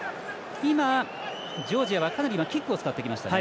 今、ジョージアは、かなりキックを使ってきましたね。